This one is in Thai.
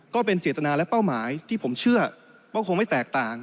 ก็เป็นเจตนาและเป้าหมายที่ผมเชื่อว่าคงไม่แตกต่าง